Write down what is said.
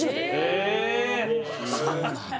へえそうなんだ